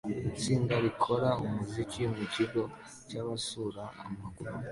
Itsinda rikora umuziki mukigo cyabasura amakuru